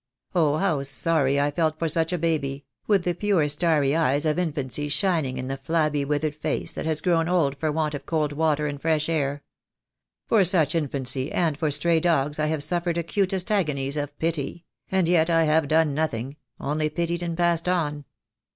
Oh, how sorry I have felt for such a baby — with the pure starry eyes of in fancy shining in the flabby withered face that has grown old for want of cold water and fresh air! For such in fancy and for stray dogs I have suffered acutest agonies of pity — and yet I have done nothing — only pitied and passed on.